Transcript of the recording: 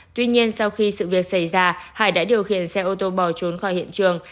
tuy nhiên sau khi sự việc xảy ra hải đã điều khiển xe ô tô bỏ trốn khỏi hiện trường